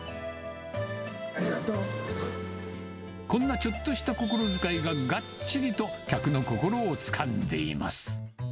こんなちょっとした心遣いが、がっちりと客の心をつかんでいます。